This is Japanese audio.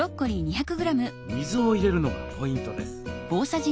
水を入れるのがポイントです。